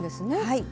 はい。